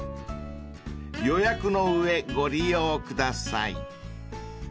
［予約の上ご利用ください］